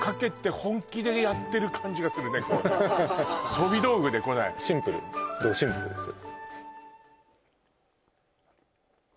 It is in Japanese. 飛び道具でこないシンプルどシンプルですよ